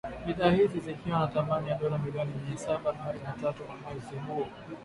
Bidhaa hizi zikiwa za thamani ya dola milioni mia saba arobaini na tatu kwa mwezi huo.